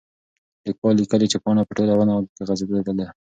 لیکوال لیکلي چې پاڼه په ټوله ونه کې غځېدلې ده.